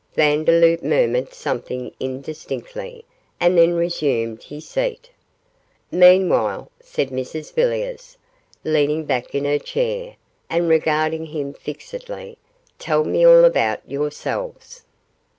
Vandeloup murmured something indistinctly, and then resumed his seat. 'Meanwhile,' said Mrs Villiers, leaning back in her chair, and regarding him fixedly, 'tell me all about yourselves.